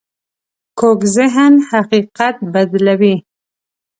کوږ ذهن حقیقت بدلوي